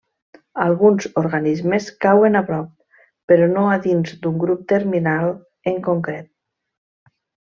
Alguns organismes cauen a prop, però no a dins d'un grup terminal en concret.